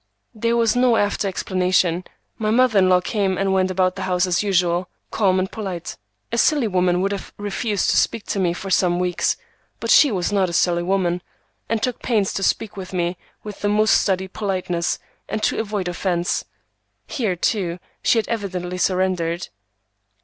There was no after explanation. My mother in law came and went about the house as usual, calm and polite. A silly woman would have refused to speak to me for some weeks; but she was not a silly woman, and took pains to speak with the most studied politeness, and to avoid offence. Here, too, she had evidently surrendered.